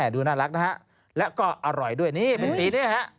ดูน่ารักนะฮะแล้วก็อร่อยด้วยนี่เป็นสีนี้ฮะ